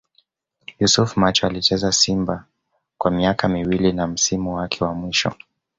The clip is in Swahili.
Yusuf Macho Alicheza Simba kwa miaka miwili na msimu wake wa mwisho